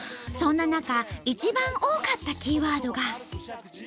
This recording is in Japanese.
そんな中一番多かったキーワードが。